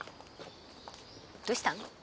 どうしたの？